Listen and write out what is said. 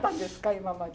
今まで。